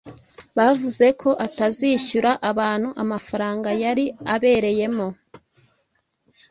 Bavuze ko atazishyura abantu amafaranga yari abereyemo.